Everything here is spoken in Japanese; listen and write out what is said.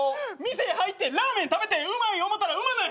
店入ってラーメン食べてうまい思たらうまない。